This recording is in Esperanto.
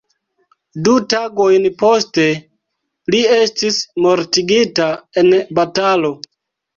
Du tagojn poste li estis mortigita en batalo.